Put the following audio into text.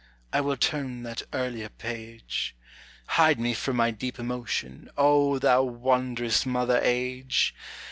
I will turn that earlier page. Hide me from my deep emotion, O thou wondrous mother age!